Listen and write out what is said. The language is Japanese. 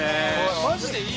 マジでいい！